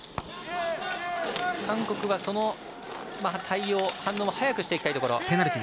韓国は、その対応反応も早くしたいところ。